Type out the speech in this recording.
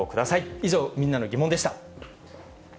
以上、みんなのギモンでした。